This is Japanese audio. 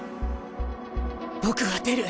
僕は出る！